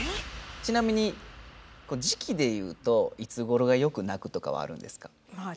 ちなみに時期で言うといつごろがよく「なく」とかはあるんですか？